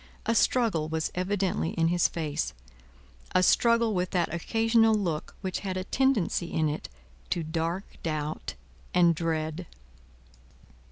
A struggle was evidently in his face; a struggle with that occasional look which had a tendency in it to dark doubt and dread.